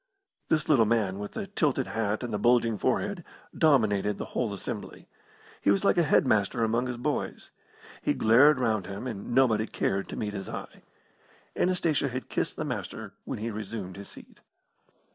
This little man, with the tilted hat and the bulging forehead, dominated the whole assembly. He was like a head master among his boys. He glared round him, and nobody cared to meet his eye. Anastasia had kissed the Master when he resumed his seat.